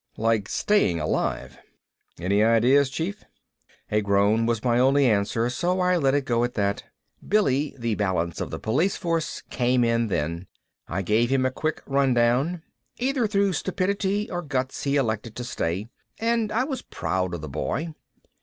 Like staying alive. "Any ideas, Chief?" A groan was my only answer so I let it go at that. Billy, the balance of the police force, came in then. I gave him a quick rundown. Either through stupidity or guts he elected to stay, and I was proud of the boy.